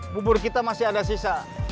bubur kita masih ada sisa